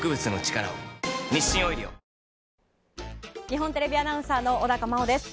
日本テレビアナウンサーの小高茉緒です。